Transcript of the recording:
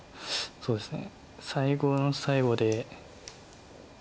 そうですね。